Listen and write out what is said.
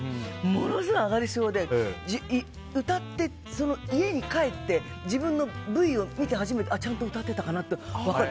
ものすごいあがり症で歌って、家に帰って自分のＶを見てちゃんと歌ってたかなって分かる。